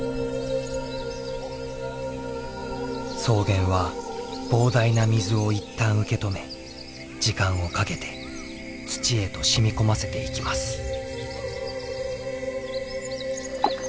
草原は膨大な水を一旦受け止め時間をかけて土へとしみ込ませていきます。